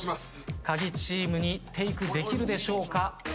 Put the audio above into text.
カギチームにテイクできるでしょうか。